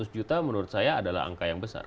seratus juta menurut saya adalah angka yang besar